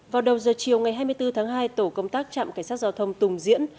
vào đầu giờ chiều ngày hai mươi bốn tháng hai tổ công tác trạm cảnh sát giao thông tùng diễn